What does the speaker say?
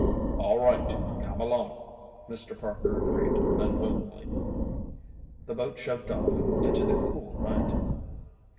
"All right, come along," Mr. Parker agreed unwillingly. The boat shoved off into the cool night.